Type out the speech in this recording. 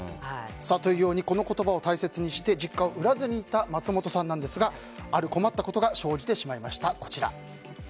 というように、この言葉を大切にして実家を売らずにいた松本さんですがある困ったことが生じてしまいました。